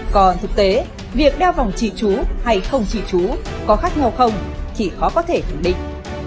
còn thực tế việc đeo vòng trì trú hay không trì trú có khác nhau không thì khó có thể thử định